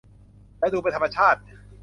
และดูเป็นธรรมชาติ